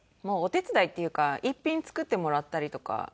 もうお手伝いっていうか１品作ってもらったりとか。